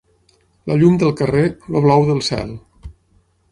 La llum del carrer, el blau del cel